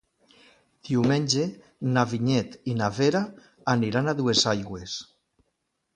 Diumenge na Vinyet i na Vera aniran a Duesaigües.